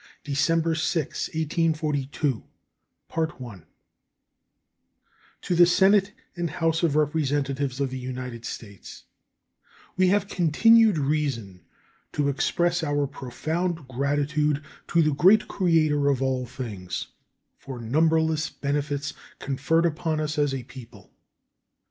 State of the Union Address John Tyler December 6, 1842 To the Senate and House of Representatives of the United States: We have continued reason to express our profound gratitude to the Great Creator of All Things for numberless benefits conferred upon us as a people.